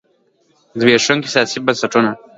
زبېښونکي سیاسي بنسټونه د ګټه اخیستونکو لخوا ملاتړ کېږي.